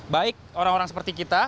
baik orang orang seperti kita